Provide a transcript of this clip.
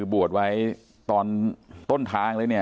บวชไว้ตอนต้นทาง